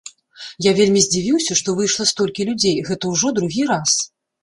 Я вельмі здзівіўся, што выйшла столькі людзей, гэта ўжо другі раз.